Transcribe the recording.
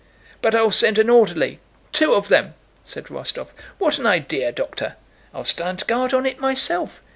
"But I'll send an orderly.... Two of them!" said Rostóv. "What an idea, doctor!" "I'll stand guard on it myself!"